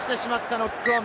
ノックオン。